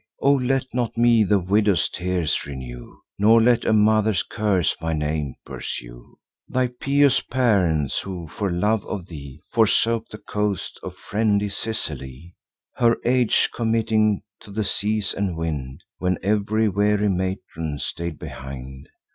O let not me the widow's tears renew! Nor let a mother's curse my name pursue: Thy pious parent, who, for love of thee, Forsook the coasts of friendly Sicily, Her age committing to the seas and wind, When ev'ry weary matron stay'd behind."